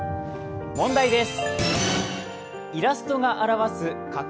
問題です。